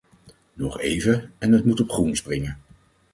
Nog even, en het moet op groen springen.